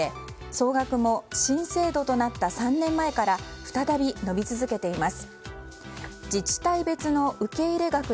総額も新制度となった３年前から再び伸び続けています。